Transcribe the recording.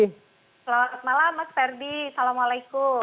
selamat malam mas ferdi assalamualaikum